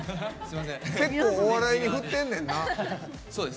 結構、お笑いに振ってんねんな。